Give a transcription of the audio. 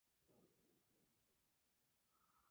Genio enano, barbudo y con melena que enseña la lengua.